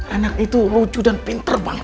anak itu lucu dan pinter banget